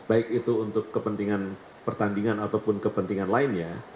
baik itu untuk kepentingan pertandingan ataupun kepentingan lainnya